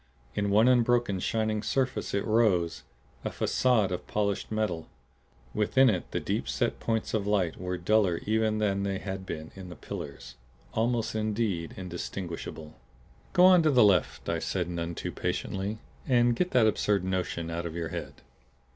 In one unbroken, shining surface it rose, a facade of polished metal. Within it the deep set points of light were duller even than they had been in the pillars; almost indeed indistinguishable. "Go on to the left," I said none too patiently. "And get that absurd notion out of your head."